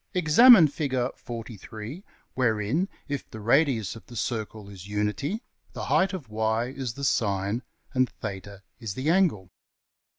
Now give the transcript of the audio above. Examine \Fig, %[","?] wherein, if the radius of the circle is unity, the height of~$y$ is the sine, and $\theta$ is the angle.